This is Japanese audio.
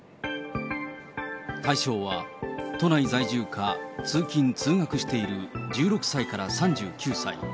対象は都内在住か通勤・通学している１６歳から３９歳。